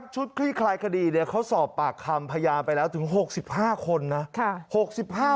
คลี่คลายคดีเขาสอบปากคำพยานไปแล้วถึง๖๕คนนะ